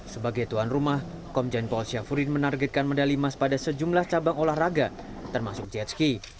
sebagai tuan rumah komjen paul syafruddin menargetkan medali emas pada sejumlah cabang olahraga termasuk jetski